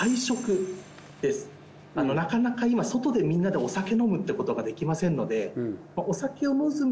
なかなか今外でみんなでお酒飲むってことができませんのでお酒を。